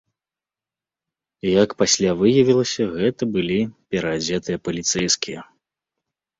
Як пасля выявілася, гэта былі пераадзетыя паліцэйскія.